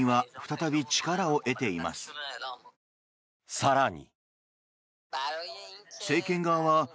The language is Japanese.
更に。